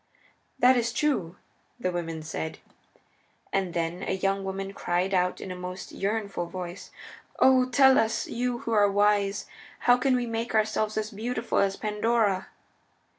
"That is true," the women said. And then a young woman cried out in a most yearnful voice, "O tell us, you who are wise, how can we make ourselves as beautiful as Pandora!"